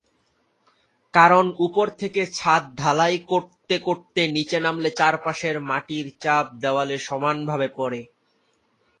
কারণ উপর থেকে ছাদ ঢালাই করতে করতে নিচে নামলে, চারপাশের মাটির চাপ দেওয়ালে সমান ভাবে পড়ে।